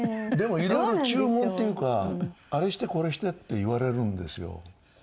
でもいろいろ注文っていうかあれしてこれしてって言われるんですよ。